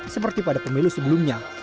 seperti pada pemilu sebelumnya